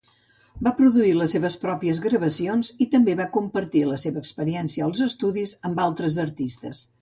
Va produir les seves pròpies gravacions i també va compartir la seva experiència als estudis amb altres artistes.